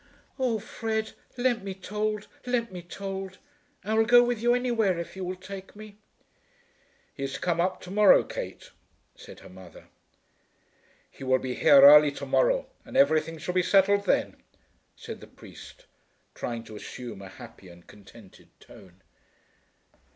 "Oh, Fred, let me told, let me told. I will go with you anywhere if you will take me." "He is to come up to morrow, Kate," said her mother. "He will be here early to morrow, and everything shall be settled then," said the priest, trying to assume a happy and contented tone.